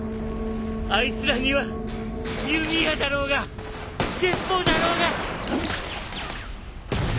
あいつらには弓矢だろうが鉄砲だろうが。